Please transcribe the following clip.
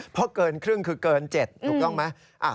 เพราะเกินครึ่งคือเกิน๗ถูกต้องไหม